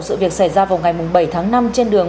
sự việc xảy ra vào ngày bảy tháng năm trên đường